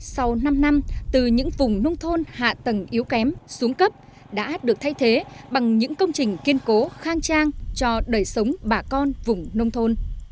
sau năm năm từ những vùng nông thôn hạ tầng yếu kém xuống cấp đã được thay thế bằng những công trình kiên cố khang trang cho đời sống bà con vùng nông thôn